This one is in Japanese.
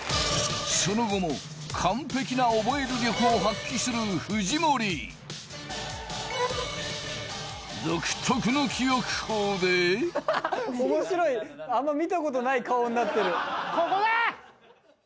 その後も完璧なオボエる力を発揮する藤森独特の記憶法で面白いあんま見たことない顔になってるここだ！